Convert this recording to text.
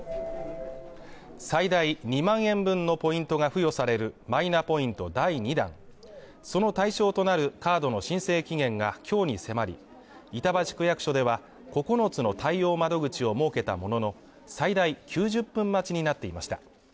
最大２万円分のポイントが付与されるマイナポイント第２弾その対象となるカードの申請期限が今日に迫り板橋区役所では、九つの対応窓口を設けたものの、最大９０分待ちになっていました。